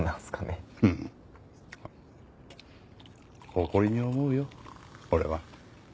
誇りに思うよ俺は。